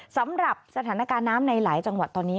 สำหรับสถานการณ์น้ำในหลายจังหวัดตอนนี้